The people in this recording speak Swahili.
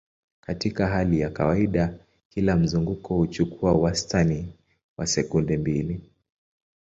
Katika hali ya kawaida, kila mzunguko huchukua wastani wa sekunde mbili.